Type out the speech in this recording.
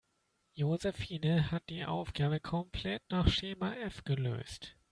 Josephine hat die Aufgabe komplett nach Schema F gelöst.